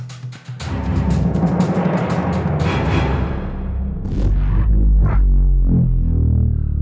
dan menangkan kita